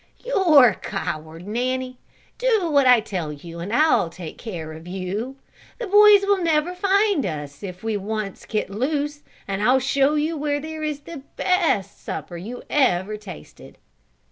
"You're a coward, Nanny. Do what I tell you and I'll take care of you. The boys will never find us if we once get loose and I'll show you where there is the best supper you ever tasted."